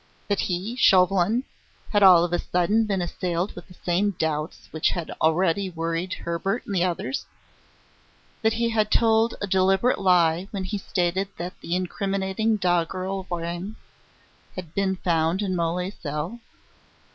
That he, Chauvelin, had all of a sudden been assailed with the same doubts which already had worried Hebert and the others? that he had told a deliberate lie when he stated that the incriminating doggerel rhyme had been found in Mole's cell?